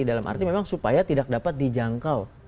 dalam arti memang supaya tidak dapat dijangkau